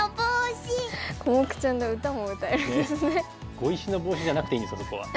「碁石のボウシ」じゃなくていいんですかそこは。